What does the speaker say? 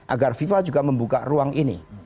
agar viva juga membuka ruang ini